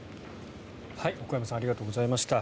小古山さんありがとうございました。